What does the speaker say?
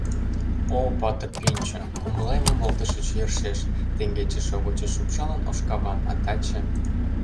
О патыр пӱнчӧ, кумылемым волтышыч йӧршеш: Теҥгече шогышыч шупшалын ош кавам, А таче…